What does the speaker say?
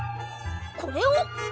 これを！